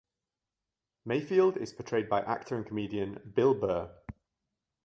Mayfeld is portrayed by actor and comedian Bill Burr.